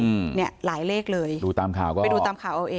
อืมเนี้ยหลายเลขเลยดูตามข่าวก็ไปดูตามข่าวเอาเอง